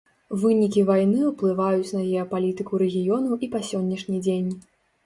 Вынікі вайны ўплываюць на геапалітыку рэгіёну і па сённяшні дзень.